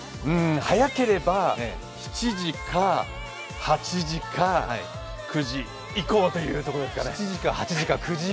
早ければ７時か８時か９時以降というところですかね。